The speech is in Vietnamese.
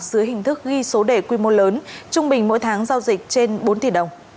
dưới hình thức ghi số đề quy mô lớn trung bình mỗi tháng giao dịch trên bốn tỷ đồng